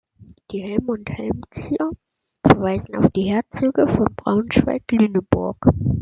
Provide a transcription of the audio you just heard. Die Helme und Helmzier verweisen auf die Herzöge von Braunschweig-Lüneburg.